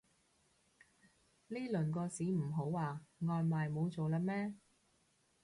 呢輪個市唔好啊？外賣冇做喇咩